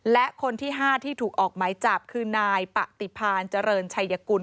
และคนที่๕ที่ถูกออกหมายจับคือนายปะติพานเจริญชัยกุล